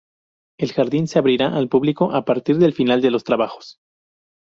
El jardín se abrirá al público a partir del final de los trabajos.